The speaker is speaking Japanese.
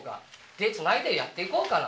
手つないでやっていこうか。